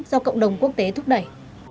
do cộng đồng quốc tế thúc đẩy